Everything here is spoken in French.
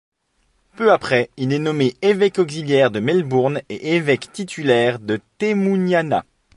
Peu après, il est nommé évêque auxiliaire de Melbourne et évêque titulaire de Temuniana.